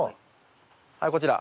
はいこちら。